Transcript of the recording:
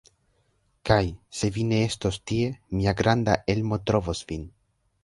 Kaj, se vi ne estos tie, mia granda Elmo trovos vin.